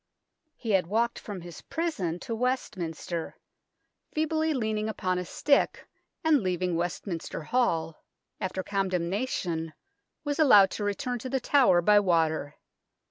He had walked from his prison to West minster, feebly leaning upon a stick, and, leaving Westminster Hall after condemna tion, was allowed to return to The Tower by water.